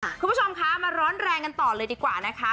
คุณผู้ชมคะมาร้อนแรงกันต่อเลยดีกว่านะคะ